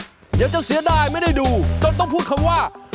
เดี๋ยวจะเสียดายไม่ได้ดูจนต้องพูดคำว่า